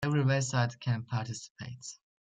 Every website can participate.